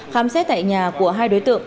khám xét tại nhà của hai đối tượng